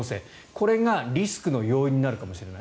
これがリスクの要因になるかもしれない。